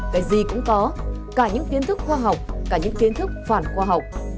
cái gì cũng có cả những kiến thức khoa học cả những kiến thức phản khoa học